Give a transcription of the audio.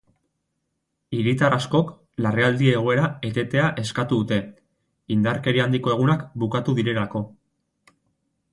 Hiritar askok larrialdi egoera etetea eskatu dute, indarkeria handiko egunak bukatu direlako.